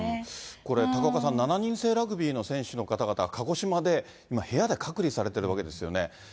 これ、高岡さん、７人制ラグビーの選手の方々、鹿児島で、今、部屋で隔離されてるわけですよね。